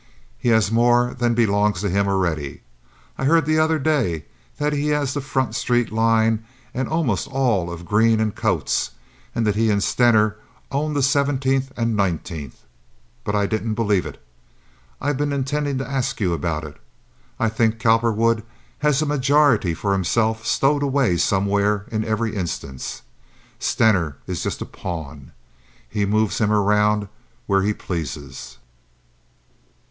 He has more than belongs to him already. I heard the other day that he has the Front Street line, and almost all of Green and Coates; and that he and Stener own the Seventeenth and Nineteenth; but I didn't believe it. I've been intending to ask you about it. I think Cowperwood has a majority for himself stowed away somewhere in every instance. Stener is just a pawn. He moves him around where he pleases."